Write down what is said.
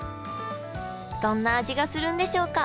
どんな味がするんでしょうか？